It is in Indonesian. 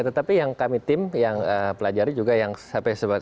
tetapi yang kami tim yang pelajari juga yang sampai